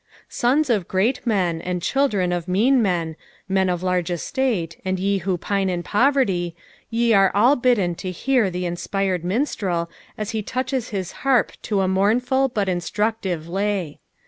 Bons of great men. Bod children of mean men, men of large estate, and ye who pine in poverty, ye are all bidden to hear the inspired minstrel as he touches his harp to a mournful but instructive lay.